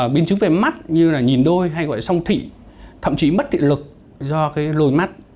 biến chứng về mắt như là nhìn đôi hay gọi là song thị thậm chí bất thiện lực do lồi mắt